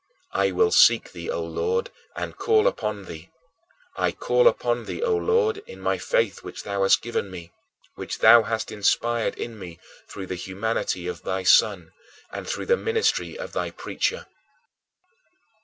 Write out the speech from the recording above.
I will seek thee, O Lord, and call upon thee. I call upon thee, O Lord, in my faith which thou hast given me, which thou hast inspired in me through the humanity of thy Son, and through the ministry of thy preacher.